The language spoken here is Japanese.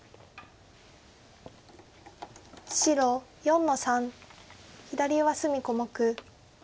白４の三左上隅小目。